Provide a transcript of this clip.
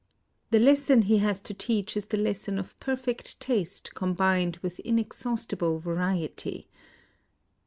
The lesson he has to teach is the lesson of perfect taste combined with inexhaustible variety.